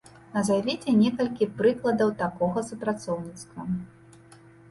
Назавіце некалькі прыкладаў такога супрацоўніцтва.